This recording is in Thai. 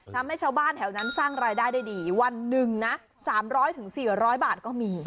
ทำให้ชาวบ้านแถวนั้นสร้างรายได้ได้ดีวันหนึ่งนะ๓๐๐๔๐๐บาทก็มี